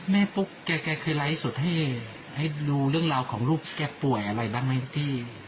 แม่ปุ๊บแกแกคืออะไรสุดให้ให้รู้เรื่องราวของลูกแกป่วยอะไรบ้างไหมที่